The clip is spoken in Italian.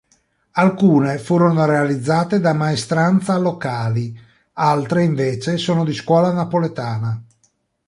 Alcune furono realizzate da maestranza locali, altre invece sono di scuola napoletana.